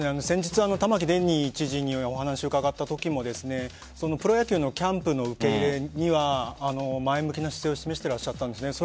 先日玉城デニー知事にお話を伺ったときもプロ野球のキャンプの受け入れには前向きな姿勢を示していらっしゃったんです。